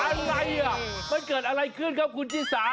อะไรอ่ะมันเกิดอะไรขึ้นครับคุณชิสา